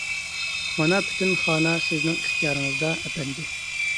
مانا پۈتۈن خانا سىزنىڭ ئىختىيارىڭىزدا، ئەپەندى.